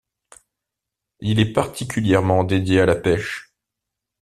Il est particulièrement dédié à la pêche.